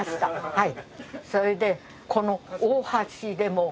はい。